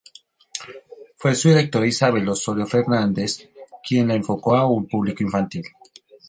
Fue su directora Isabel Osorio Fernández, quien la enfocó a un público infantil.